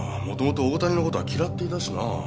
もともと大谷の事は嫌っていたしな。